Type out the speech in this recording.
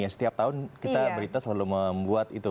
setiap tahun kita berita selalu membuat itu